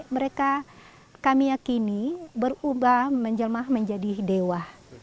mereka kami yakini berubah menjelmah menjadi dewa